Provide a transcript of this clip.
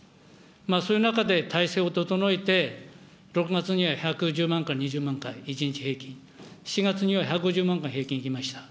そういう中で体制を整えて、６月には１１０万から１２０万回、１日平均、７月には１２０万回、平均いきました。